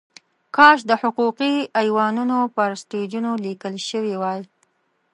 کاش د حقوقي ایوانونو پر سټیجونو لیکل شوې وای.